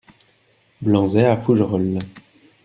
Blanzey à Fougerolles